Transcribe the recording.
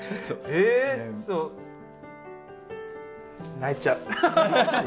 泣いちゃう。